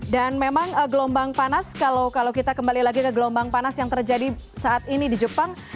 dan memang gelombang panas kalau kita kembali lagi ke gelombang panas yang terjadi saat ini di jepang